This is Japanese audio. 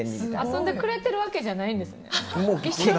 遊んでくれてるわけじゃないんですね。